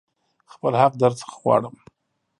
خپل حق درنه غواړم.